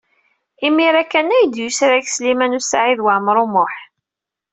Imir-a kan ay d-yusrag Sliman U Saɛid Waɛmaṛ U Muḥ.